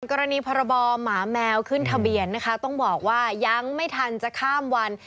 กรณีพรบหมาแมวขึ้นทะเบียนนะคะต้องบอกว่ายังไม่ทันจะข้ามวัน